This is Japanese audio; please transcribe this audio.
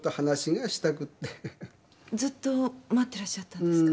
ずっと待ってらっしゃったんですか？